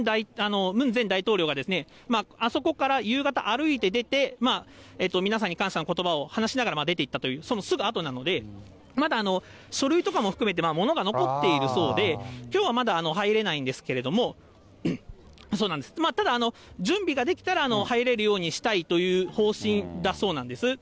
ムン前大統領が、あそこから夕方歩いて出て、皆さんに感謝のことばを話しながら出ていったという、そのすぐあとなので、まだ書類とかも含めて、物が残っているそうで、きょうはまだ入れないんですけれども、ただ、準備ができたら、入れるようにしたいという方針だそうなんです。